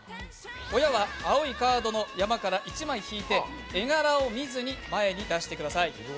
親は青いカードの山から１枚引いて絵柄を見ずに前に出してください。